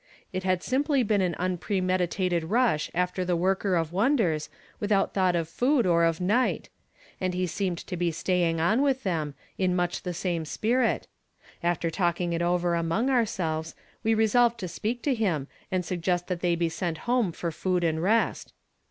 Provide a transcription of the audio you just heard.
It had simply been an unpremeditated rush after the worker of wonders, without thought of food or of night ; and he seemed to be staying on with them, in nnich the same spirit. After talking it over among ourselves, we resolved to speak to him, and suggest that they be sent home for food and rest.